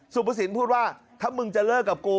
สุภสินพูดว่าถ้ามึงจะเลิกกับกู